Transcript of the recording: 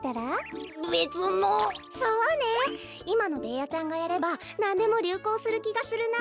いまのベーヤちゃんがやればなんでもりゅうこうするきがするな。